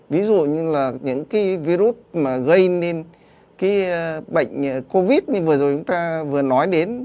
ví dụ như là những virus gây nên bệnh covid như vừa rồi chúng ta vừa nói đến